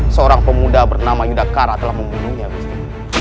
seorang pemuda bernama yudhakara telah membunuhnya gusti